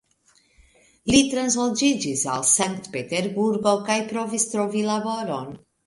Li transloĝiĝis al Sankt-Peterburgo kaj provis trovi laboron.